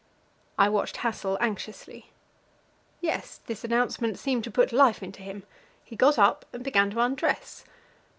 I watched Hassel anxiously. Yes; this announcement seemed to put life into him. He got up and began to undress.